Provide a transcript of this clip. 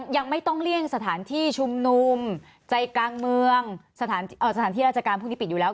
ยังไม่ต้องเลี่ยงสถานที่ชุมนุมใจกลางเมืองสถานที่ราชการพวกนี้ปิดอยู่แล้ว